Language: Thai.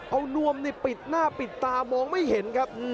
เอานวมปิดหน้าปิดตามองไม่เห็นครับ